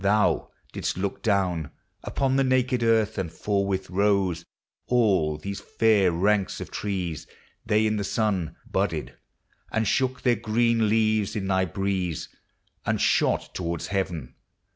Thou didst look down Upon the naked earth, and forthwith rose All these fair ranks of trees. They in thy sun Budded, and shook their green leaves in thy breeze, And shot towards heaven.